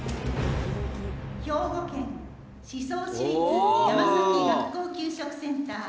兵庫県宍粟市立山崎学校給食センター。